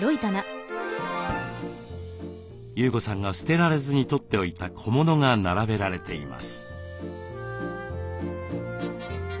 優子さんが捨てられずに取っておいた小物が並べられています。